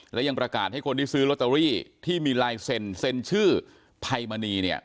และยังประกาศให้คนที่ซื้อลอตเตอรี่ที่มีลายเซ็นเซ็นชื่อภัยมณีเนี่ย